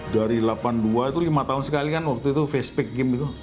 dari delapan puluh dua itu lima tahun sekali kan waktu itu facebook game itu